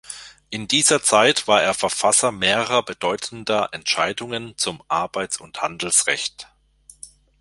In dieser Zeit war er Verfasser mehrerer bedeutender Entscheidungen zum Arbeits- und Handelsrecht.